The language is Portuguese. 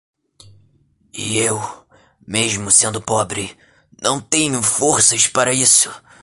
E eu, mesmo sendo pobre, não tenho forças para isso.